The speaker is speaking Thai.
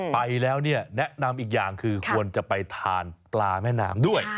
ไปแล้วเนี่ยแนะนำอีกอย่างคือควรจะไปทานปลาแม่น้ำด้วย